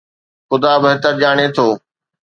خدا بهتر ڄاڻي ٿو.